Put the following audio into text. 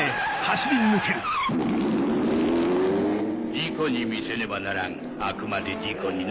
事故に見せねばならんあくまで事故にな。